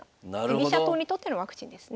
居飛車党にとってのワクチンですね。